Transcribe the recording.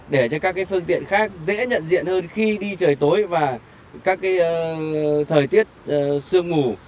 để cho các phương tiện khác dễ nhận diện hơn khi đi trời tối và các thời tiết sương ngủ